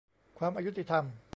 ความอยุติธรรม